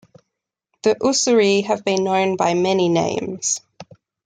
The Ussuri has been known by many names.